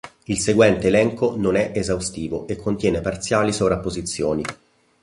Il seguente elenco non è esaustivo e contiene parziali sovrapposizioni.